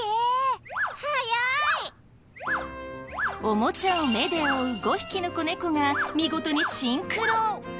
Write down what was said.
おもちゃを目で追う５匹の子猫が見事にシンクロ。